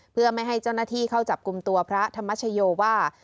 เพื่อไม่ให้เจ้าหน้าที่เข้าจับกลุ่มตัวพระธรรมชโยว่า